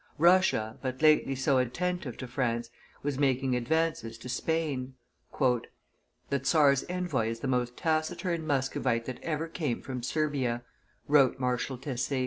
Russia, but lately so attentive to France, was making advances to Spain. "The czar's envoy is the most taciturn Muscovite that ever came from Siberia," wrote Marshal Tesse.